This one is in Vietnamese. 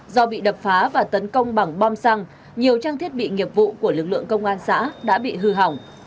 do bị đập phá và tấn công bằng bom xăng nhiều trang thiết bị nghiệp vụ của lực lượng công an xã đã bị hư hỏng